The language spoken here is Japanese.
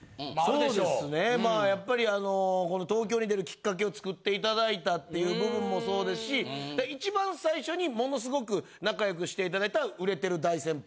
そうですねまあやっぱりあの東京に出るきっかけを作っていただいたっていう部分もそうですし一番最初にものすごく仲良くしていただいた売れてる大先輩。